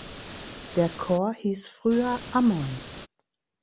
Der Chor hieß früher Ammon.